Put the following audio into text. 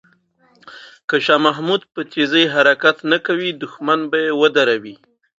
که شاه محمود په تېزۍ حرکت نه کوي، دښمن به یې ودروي.